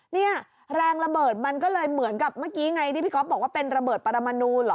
เนี่ยแรงระเบิดมันก็เลยเหมือนกับเมื่อกี้ไงที่พี่ก๊อฟบอกว่าเป็นระเบิดปรมนูเหรอ